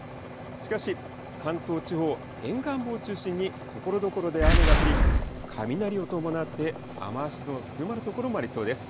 しかし、関東地方、沿岸部を中心にところどころで雨が降り、雷を伴って雨足の強まる所もありそうです。